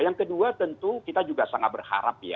yang kedua tentu kita juga sangat berharap ya